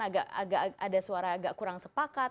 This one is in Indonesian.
ada suara agak kurang sepakat